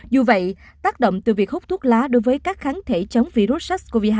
dù vậy tác động từ việc hút thuốc lá đối với các kháng thể chống virus sars cov hai